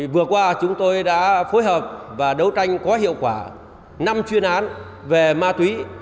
vừa qua chúng tôi đã phối hợp và đấu tranh có hiệu quả năm chuyên án về ma túy